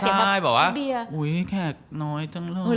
มายบอกว่าอุ๊ยแขกน้อยจังเลย